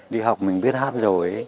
đi học mình biết hát rồi